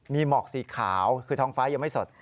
มีหมอกสีขาวคือท้องฟ้ายังไม่สด